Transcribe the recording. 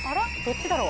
どっちだろ？